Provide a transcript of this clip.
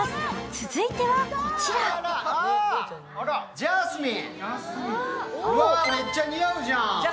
続いてはこちらめっちゃ似合うじゃん。